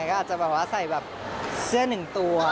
ก็อาจจะแบบว่าใส่แบบเสื้อหนึ่งตัว